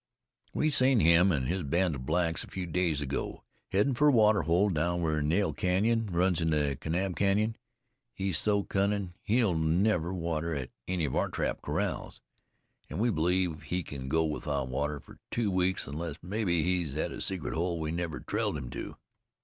We seen him an' his band of blacks a few days ago, headin' fer a water hole down where Nail Canyon runs into Kanab Canyon. He's so cunnin' he'll never water at any of our trap corrals. An' we believe he can go without water fer two weeks, unless mebbe he hes a secret hole we've never trailed him to."